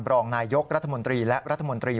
รองนายยกรัฐมนตรีและรัฐมนตรี